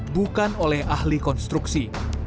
bukan oleh ahli konstruksi